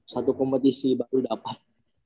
satu kompetisi baru dapet